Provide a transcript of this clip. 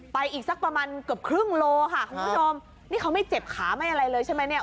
อีกสักประมาณเกือบครึ่งโลค่ะคุณผู้ชมนี่เขาไม่เจ็บขาไม่อะไรเลยใช่ไหมเนี่ย